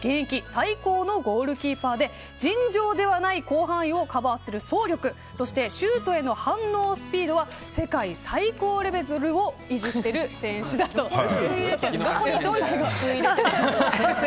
最高のゴールキーパーで尋常ではない広範囲をカバーする走力そして、シュートへの反応スピードは世界最高レベルを維持している選手だということです。